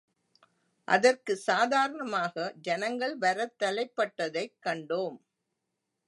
அதற்குச் சாதாரணமாக ஜனங்கள் வரத் தலைப்பட்டதைக் கண்டோம்.